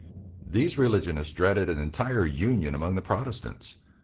These religionists dreaded an entire union among the Protestants.